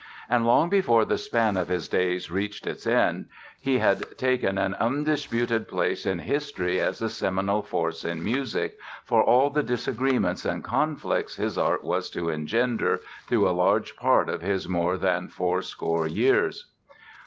And long before the span of his days reached its end he had taken an undisputed place in history as a seminal force in music, for all the disagreements and conflicts his art was to engender through a large part of his more than four score years.